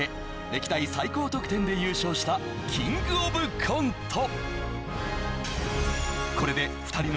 歴代最高得点で優勝したキングオブコント